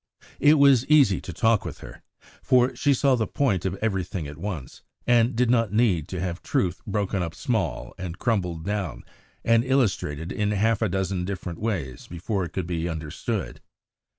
It was easy to talk with her, for she saw the point of everything at once, and did not need to have truth broken up small and crumbled down and illustrated in half a dozen different ways before it could be understood.